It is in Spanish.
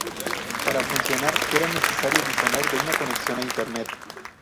Para funcionar era necesario disponer de una conexión a Internet.